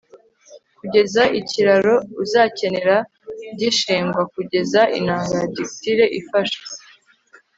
Kugeza ikiraro uzakenera gushingwa kugeza inanga ya ductile ifashe